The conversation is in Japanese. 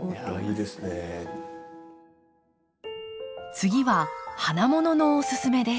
次は花もののおすすめです。